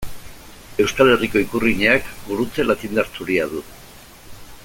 Euskal Herriko ikurrinak gurutze latindar zuria du.